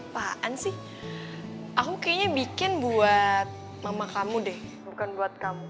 pak an sih aku kayaknya bikin buat mama kamu deh bukan buat kamu